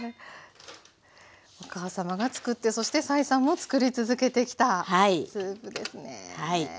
お母様がつくってそして斉さんもつくり続けてきたスープですね。